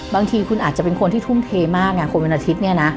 บางทีคุณอาจจะเป็นคนที่ทุ่มเทมากไงคนวันอาทิตย์เนี่ยนะ